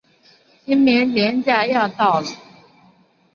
清明节连假要到了